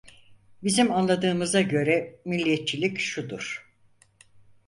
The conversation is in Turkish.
Bizim anladığımıza göre, milliyetçilik şudur: